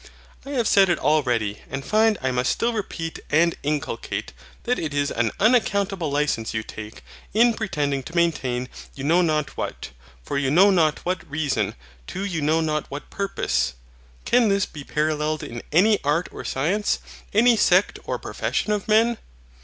I have said it already, and find I must still repeat and inculcate, that it is an unaccountable licence you take, in pretending to maintain you know not what, for you know not what reason, to you know not what purpose. Can this be paralleled in any art or science, any sect or profession of men?